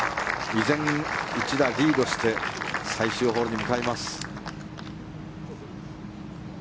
依然、１打リードして最終ホールに向かいます。